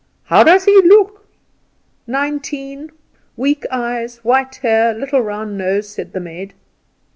"How does he look?" "Nineteen, weak eyes, white hair, little round nose," said the maid.